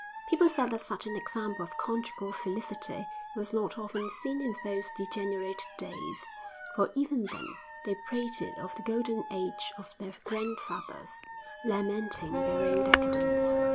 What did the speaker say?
People said that such an example of conjugal felicity was not often seen in those degenerate days, for even then they prated of the golden age of their grandfathers, lamenting their own decadence....